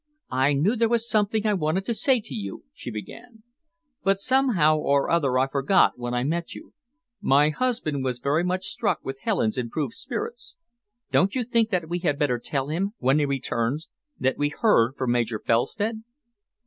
"I knew there was something I wanted to say to you," she began, "but somehow or other I forgot when I met you. My husband was very much struck with Helen's improved spirits. Don't you think that we had better tell him, when he returns, that we had heard from Major Felstead?"